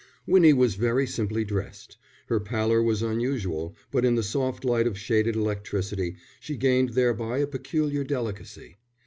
Winnie was very simply dressed. Her pallor was unusual, but in the soft light of shaded electricity she gained thereby a peculiar delicacy.